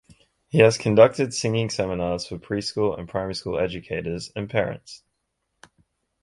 He has conducted singing seminars for preschool and primary school educators and parents.